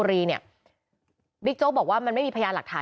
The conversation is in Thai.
รวมถึงเมื่อวานี้ที่บิ๊กโจ๊กพาไปคุยกับแอมท์ท่านสถานหญิงกลาง